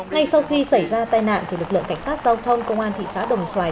ngay sau khi xảy ra tai nạn lực lượng cảnh sát giao thông công an thị xã đồng xoài